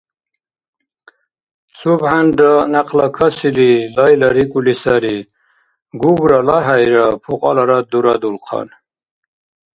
СубхӀянра някъла касили, лайларикӀули сари, Гугра, ЛахӀяйра пукьаларад дурадулхъан.